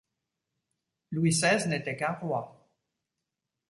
Louis seize n’était qu’un roi.